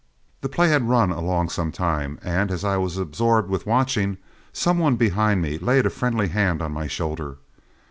The play had run along some time, and as I was absorbed with watching, some one behind me laid a friendly hand on my shoulder.